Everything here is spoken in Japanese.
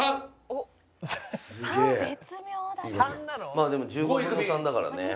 まあでも１５分の３だからね。